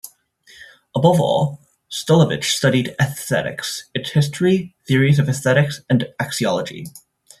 Above all, Stolovich studied esthetics: its history, theories of esthetics and axiology.